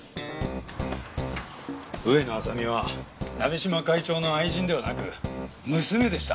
上野亜沙美は鍋島会長の愛人ではなく娘でした。